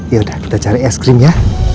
ya udah kita cari es krim ya